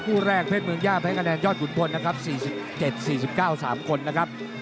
คู่แรกเพชรเมืองย่าแพ้คะแนนยอดขุนพลนะครับ๔๗๔๙๓คนนะครับ